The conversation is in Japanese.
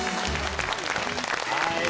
はい。